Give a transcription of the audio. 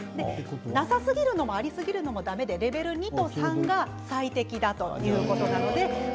なさすぎるのもありすぎるのもだめでレベル２、レベル３が最適だということなんですね。